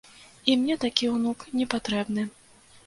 І мне такі ўнук не патрэбны.